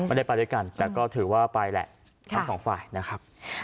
ไม่ได้ไปด้วยกันแต่ก็ถือว่าไปแหละทั้งสองฝ่ายนะครับ